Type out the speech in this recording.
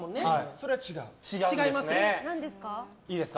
それは違います。